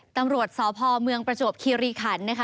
ตำรวจสพมประจวบคีรีขันต์